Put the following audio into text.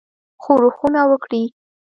ښورښونه وکړي.